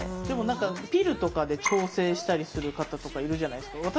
でも何かピルとかで調整したりする方とかいるじゃないですか。